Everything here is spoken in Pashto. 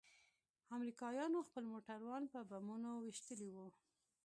امريکايانوخپل موټران په بمونو ويشتلي وو.